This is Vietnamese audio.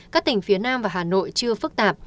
các tỉnh phía nam và hà nội chưa phức tạp